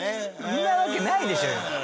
そんなわけないでしょうよ。